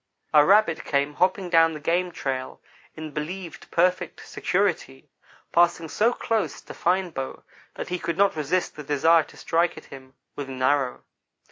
A rabbit came hopping down the game trail in believed perfect security, passing so close to Fine Bow that he could not resist the desire to strike at him with an arrow.